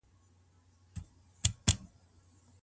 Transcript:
د خطبې پر مهال رښتيا ويل اړين دي.